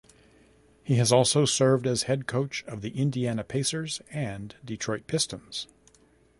He has also served as head coach of the Indiana Pacers and Detroit Pistons.